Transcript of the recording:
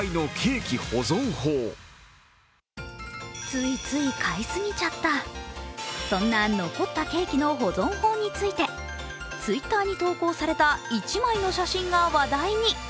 ついつい買い過ぎちゃったそんな残ったケーキの保存法についてＴｗｉｔｔｅｒに投稿された１枚の写真が話題に。